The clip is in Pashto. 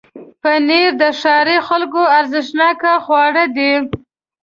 پنېر د ښاري خلکو ارزښتناکه خواړه دي.